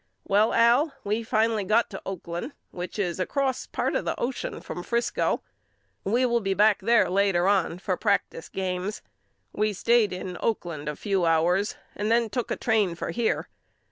Well Al we finally got to Oakland which is across part of the ocean from Frisco. We will be back there later on for practice games. We stayed in Oakland a few hours and then took a train for here.